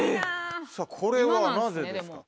これはなぜですか？